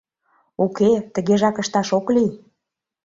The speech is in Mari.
Уке, тыгежак ышташ ок лий.